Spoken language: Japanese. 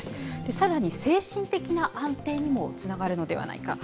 さらに、精神的な安定にもつながるのではないか。